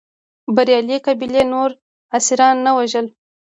بریالۍ قبیلې نور اسیران نه وژل.